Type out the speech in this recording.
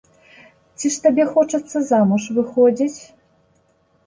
Ці ж табе хочацца замуж выходзіць?